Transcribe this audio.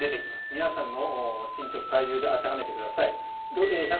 皆さんの身長と体重で当てはめてください。